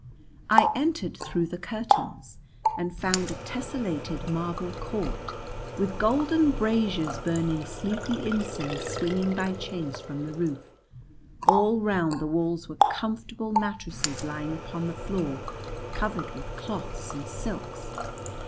I entered through the curtains and found a tesselated marble court with golden braziers burning sleepy incense swinging by chains from the roof, all round the walls were comfortable mattresses lying upon the floor covered with cloths and silks.